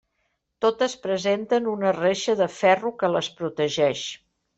Totes presenten una reixa de ferro que les protegeix.